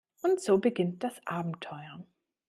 Und so beginnt das Abenteuer.